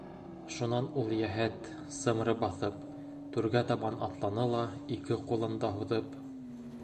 Шунан ул йәһәт, сымры баҫып, түргә табан атланы ла ике ҡулын да һуҙып: